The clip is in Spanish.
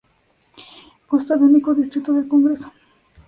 Consta de único distrito del congreso.